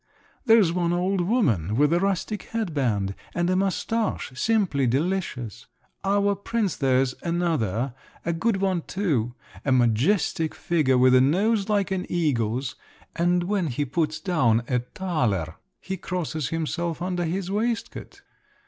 There's one old woman with a rustic headband and a moustache, simply delicious! Our prince there's another, a good one too. A majestic figure with a nose like an eagle's, and when he puts down a thaler, he crosses himself under his waistcoat.